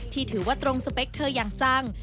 ที่ถือว่าตรงสเปคเธออย่างจัง